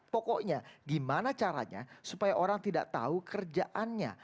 pokoknya gimana caranya supaya orang tidak tahu kerjaannya